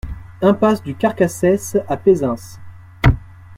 Impasse du Carcassès à Pezens